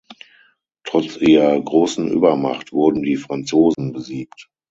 Trotz ihrer großen Übermacht wurden die Franzosen besiegt.